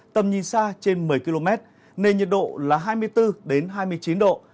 tầm nhìn xa trên một mươi km nền nhiệt độ là hai mươi bốn hai mươi chín độ